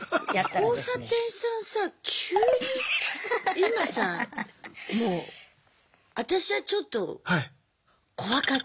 交差点さんさあ急に今さもう私はちょっと怖かった。